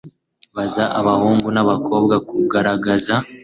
baza abahungu n'abakobwa kugaragaza